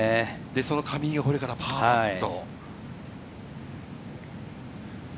その上井がこれからパーパット。